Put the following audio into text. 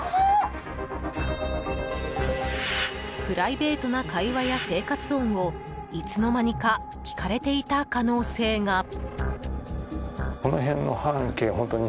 プライベートな会話や生活音をいつの間にか聞かれていた可能性が。